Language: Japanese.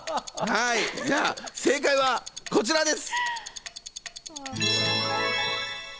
正解はこちらです。